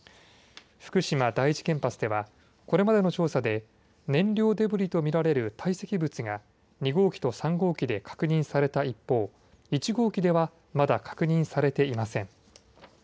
福島第一原発ではこれまでの調査で燃料デブリと見られる堆積物が２号機と３号機で確認された一方、１号機ではまだ確認されていません。